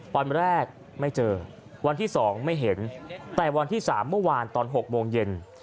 วันแรกไม่เจอวันที่๒ไม่เห็นแต่วันที่๓เมื่อวานตอน๖โมงเย็น